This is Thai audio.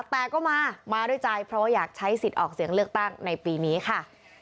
แต่ก็มามาด้วยใจเพราะว่าอยากใช้สิทธิ์ออกเสียงเลือกตั้งในปีนี้ค่ะ